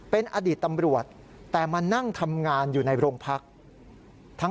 เป็นอดีตตำรวจแต่มานั่งทำงานอยู่ในโรงพัก